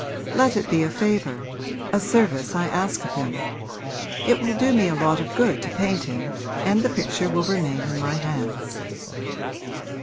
Let it be a favour, a service I ask of him. It will do me a lot of good to paint him and the picture will remain in my hands.'